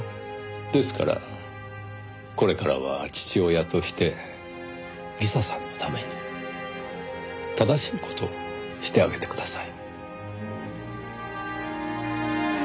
ですからこれからは父親として理沙さんのために正しい事をしてあげてください。